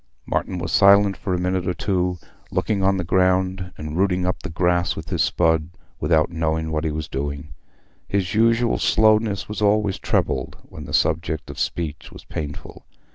Martin was silent for a minute or two, looking on the ground and rooting up the grass with his spud, without knowing what he was doing. His usual slowness was always trebled when the subject of speech was painful.